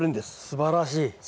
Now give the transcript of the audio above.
すばらしい。